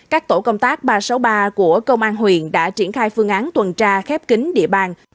các tổ công tác ba trăm sáu mươi ba của công an huyện đã triển khai phương án tuần tra khép kính địa bàn